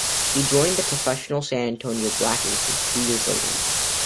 He joined the professional San Antonio Black Aces two years later.